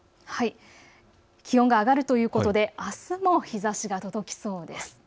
気温が上がるということであすも日ざしが届きそうです。